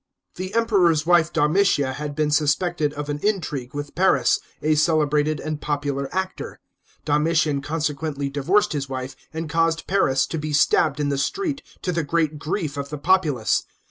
The Emperor's wife Domitia had been suspected of an intrigue with Paris, a celebrated and popular actor.* Donritian consequently divorced his wife and caused Paris to be stabbed in the street, to the great grief of the populace.